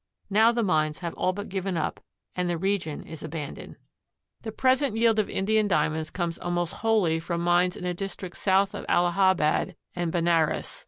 Now the mines have all been given up and the region is abandoned. The present yield of Indian Diamonds comes almost wholly from mines in a district south of Allahabad and Benares.